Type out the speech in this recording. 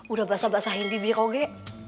udah basah basahin di biroge